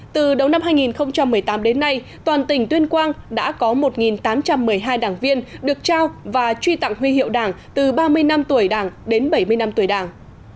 từ đầu năm hai nghìn một mươi tám đến nay toàn tỉnh tuyên quang đã có một tám trăm một mươi hai đảng viên được trao và truy tặng huy hiệu đảng từ ba mươi năm tuổi đảng đến bảy mươi năm tuổi đảng